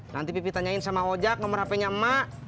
nanti pipi tanyain sama wajak nomor hp nya emak